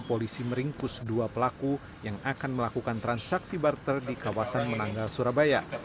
polisi meringkus dua pelaku yang akan melakukan transaksi barter di kawasan menanggal surabaya